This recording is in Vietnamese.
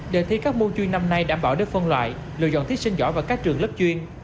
để thi các môn chuyên năm nay đảm bảo được phân loại lựa dọn thí sinh giỏi vào các trường lớp chuyên